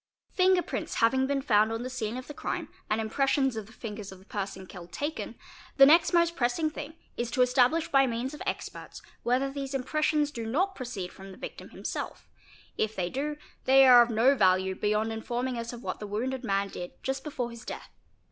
Finger prints having been found on the scene of the crime and im pressions of the fingers of the person killed taken, the next most pressing thing is to establish by means of experts whether these impressions do not proceed from the victim himself; if they do, they are of no value beyond in forming us of what the wounded man did just before his death.